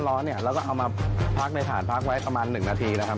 แล้วก็เอามาพักในถ่านพักไว้ประมาณ๑นาทีนะครับ